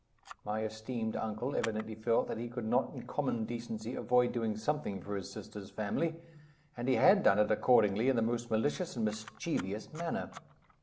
My esteemed uncle evidently felt that he could not in common decency avoid doing something for his sister's family; and he had done it accordingly in the most malicious and mischievous manner.